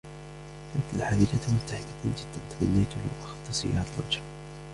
كانت الحافلة مزدحمة جداً. تمنيت لو اخذت سيارة الأجرة.